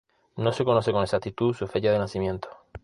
No se conoce con exactitud su fecha de nacimiento.